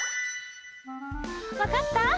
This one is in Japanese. わかった？